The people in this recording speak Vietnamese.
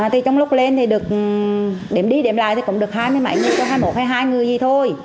thì trong lúc lên thì được đếm đi đếm lại thì cũng được hai mươi bảy người cho hai mươi một hay hai mươi hai người gì thôi